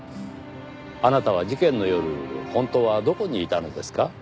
あなたは事件の夜本当はどこにいたのですか？